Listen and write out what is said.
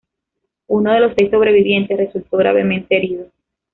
Uno de los seis sobrevivientes resultó gravemente herido.